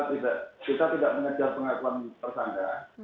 tidak kita tidak mengejar pengakuan tersangka